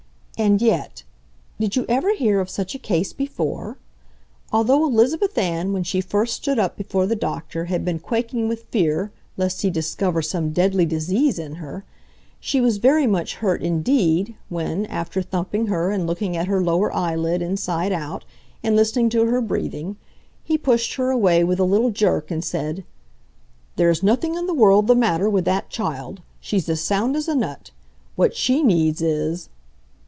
And yet—did you ever hear of such a case before?—although Elizabeth Ann when she first stood up before the doctor had been quaking with fear lest he discover some deadly disease in her, she was very much hurt indeed when, after thumping her and looking at her lower eyelid inside out, and listening to her breathing, he pushed her away with a little jerk and said: "There's nothing in the world the matter with that child. She's as sound as a nut! What she needs is